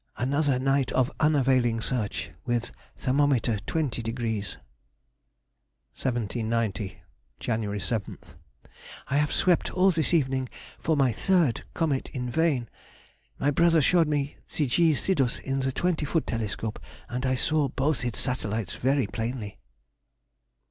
Another night of unavailing search, with thermometer 20°. 1790. Jan. 7th.—I have swept all this evening for my [third] comet in vain. My brother showed me the G. Sidus in the twenty foot telescope, and I saw both its satellites very plainly.